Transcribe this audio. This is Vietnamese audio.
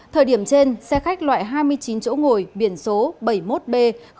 thời điểm trên xe khách loại hai mươi chín chỗ ngồi biển số bảy mươi một b bảy trăm bốn mươi chín